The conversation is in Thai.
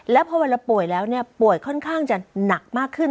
แล้วพอเวลาป่วยแล้วป่วยค่อนข้างจะหนักมากขึ้น